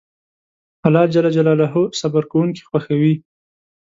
الله جل جلاله صبر کونکي خوښوي